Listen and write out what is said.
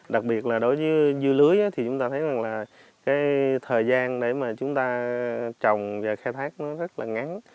đặc biệt là đối với dưa lưới thì chúng ta thấy là thời gian để chúng ta trồng và khai thác rất là ngắn